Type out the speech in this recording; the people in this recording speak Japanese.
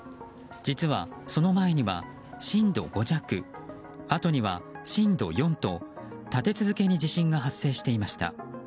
実はその前には震度５弱あとには震度４と立て続けに地震が発生していました。